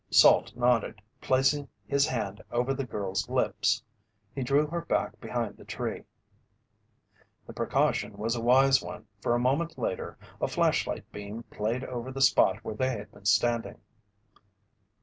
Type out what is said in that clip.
Salt nodded, placing his hand over the girl's lips. He drew her back behind the tree. The precaution was a wise one, for a moment later, a flashlight beam played over the spot where they had been standing.